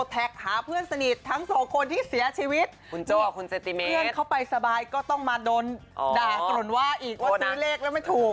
หาเพื่อนสนิททั้งสองคนที่เสียชีวิตคุณโจ้กับเพื่อนเขาไปสบายก็ต้องมาโดนด่าสนุนว่าอีกว่าซื้อเลขแล้วไม่ถูก